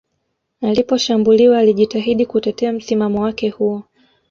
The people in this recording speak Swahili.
Aliposhambuliwa alijitahidi kutetea msimamo wake huo